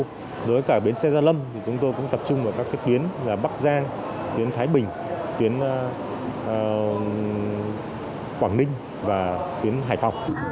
đối với cả bến xe gia lâm chúng tôi cũng tập trung vào các tuyến bắc giang tuyến thái bình tuyến quảng ninh và tuyến hải phòng